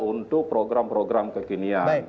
untuk program program kekinian